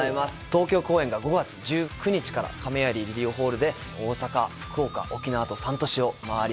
東京公演が５月１９日からかめありリリオホールで大阪福岡沖縄と３都市を回ります